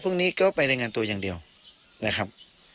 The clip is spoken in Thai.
พรุ่งนี้ก็ไปรายงานตัวอย่างเดียวนะครับ